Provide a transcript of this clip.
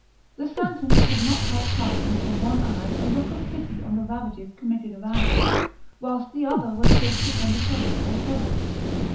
The Santons could not help casting from one eye a look of pity on the ravages committing around them, whilst the other was fixed upon the Caliph and heaven.